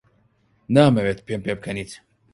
نامەوێت پێم پێبکەنیت.